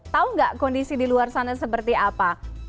tahu nggak kondisi di luar sana seperti apa